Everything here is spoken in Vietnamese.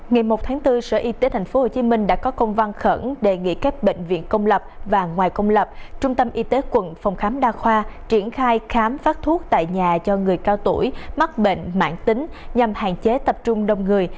ngày một tháng bốn sở y tế tp hcm đã có công văn khẩn đề nghị các bệnh viện công lập và ngoài công lập trung tâm y tế quận phòng khám đa khoa triển khai khám phát thuốc tại nhà cho người cao tuổi mắc bệnh mãn tính nhằm hạn chế tập trung đông người